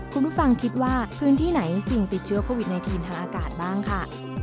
คุณฤฟังคิดว่าผืนที่ไหนศิลป์ติดเชื้อโควิด๑๙ทางอากาศบ้างคะ